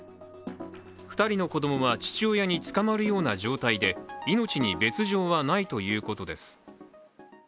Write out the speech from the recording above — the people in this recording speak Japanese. ２人の子供は父親につかまるような状態で命に別状はないということです。